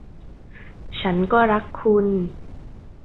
ฉันก็รักคุณ